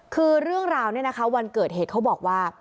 คือเรื่องราวเนี่ยนะคะวันเกิดเหตุเขาบอกว่า